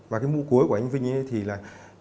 và cái mũ cuối của anh vinh thì là